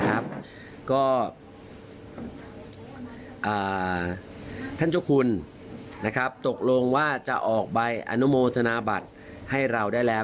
ก็ท่านเจ้าคุณตกลงว่าจะออกใบอนุโมทนาบัตรให้เราได้แล้ว